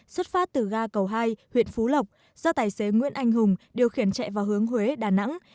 xuất phát từ ga cầu hai huyện phú lộc do tài xế nguyễn anh hùng điều khiển chạy vào hướng huế đà nẵng